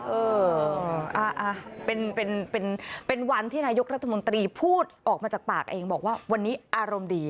เอออ่าอ่าเป็นเป็นเป็นเป็นวันที่นายกรัฐมนตรีพูดออกมาจากปากเองบอกว่าวันนี้อารมณ์ดี